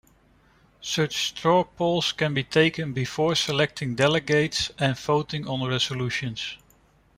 Such straw polls can be taken before selecting delegates and voting on resolutions.